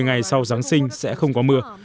một mươi ngày sau giáng sinh sẽ không có mưa